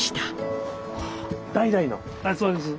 そうです。